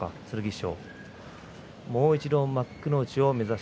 剣翔。